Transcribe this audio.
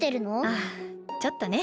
ああちょっとね。